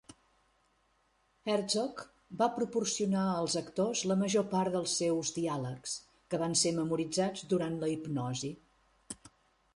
Herzog va proporcionar als actors la major part dels seus diàlegs, que van ser memoritzats durant la hipnosi.